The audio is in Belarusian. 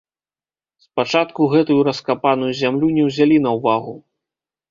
Спачатку гэтую раскапаную зямлю не ўзялі на ўвагу.